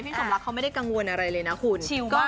สมรักเขาไม่ได้กังวลอะไรเลยนะคุณ